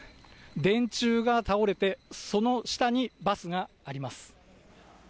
電柱が倒れて、その下にバスがあります。